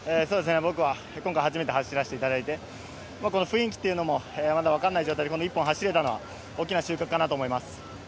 今回初めて走らせていただいて、雰囲気というのもまだ分からない状態で１本走れたのは大きな収穫かなと思います。